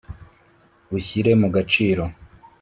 ushyire mu gaciro.